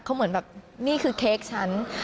เขาเหมือนแบบนี่คือเค้กฉัน